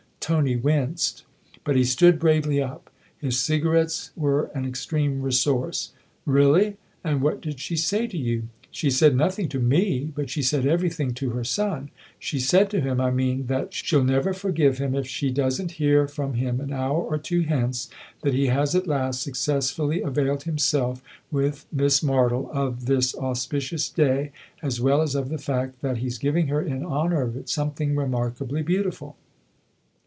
Tony winced ; but he stood bravely up ; his cigarettes were an extreme resource. " Really ? And what did she say to you ?" "She said nothing to me but she said every thing to her son. She said to him, I mean, that THE OTHER HOUSE 157 she'll never forgive him if she doesn't hear from him an hour or two hence that he has at last successfully availed himself, with Miss Martle, of this auspicious day, as well as of the fact that he's giving her, in honour of it, something remark ably beautiful."